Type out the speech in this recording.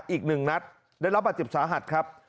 อีก๑นัทได้รับบาดเจ็บสาหัสครับ